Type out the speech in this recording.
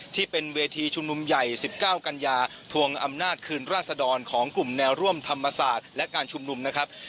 ที่เป็นเวทีชุมนุมใหญ่๑๙กันยาทวงอำนาจคืนราษดรของกลุ่มแนวร่วมธรรมศาสตร์และการชุมนุมนะครับ